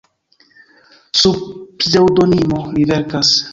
Sub pseŭdonimo li verkas.